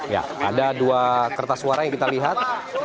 ya ada dua kertas suara yang kita lihat